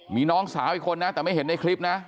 มีน้องสาวอีกคนนะแต่ไม่เห็นในคลิปนะ